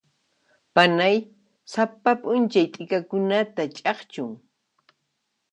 Panay sapa p'unchay t'ikakunata ch'akchun.